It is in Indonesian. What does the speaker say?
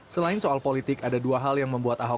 selain soal politik ada dua hal yang membuat ahok